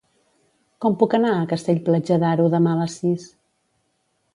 Com puc anar a Castell-Platja d'Aro demà a les sis?